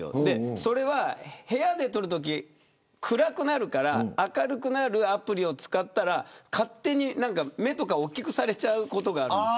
それは部屋で撮るときに暗くなるから明るくなるアプリを使ったら勝手に目とか大きくされちゃうことがあるんです。